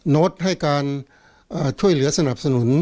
โน๊ตให้การช่วยเหลือสนับสนุน